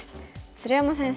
鶴山先生